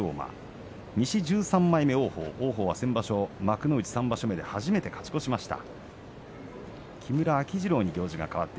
王鵬は先場所幕内３場所目で初めて勝ち越しました。